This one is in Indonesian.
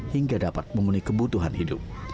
hingga dapat memenuhi kebutuhan hidup